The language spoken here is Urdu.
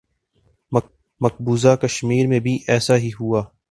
مقبوضہ کشمیر میں بھی ایسا ہی ہوا۔